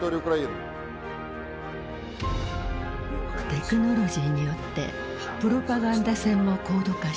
テクノロジーによってプロパガンダ戦も高度化している。